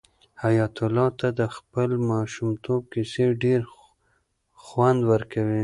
حیات الله ته د خپل ماشومتوب کیسې ډېر خوند ورکوي.